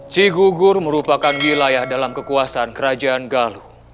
cikgu gur merupakan wilayah dalam kekuasaan kerajaan galuh